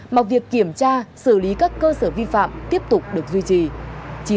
mà việc kiểm tra xử lý các cơ sở vi phạm tiếp tục được duy trì